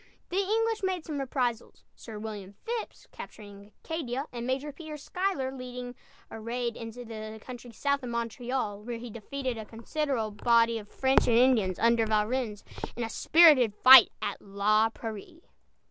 The English made some reprisals; Sir William Phips capturing Acadia and Major Peter Schuyler leading a raid into the country south of Montreal, where he defeated a considerable body of French and Indians under Valrennes, in a spirited fight at La Prairie.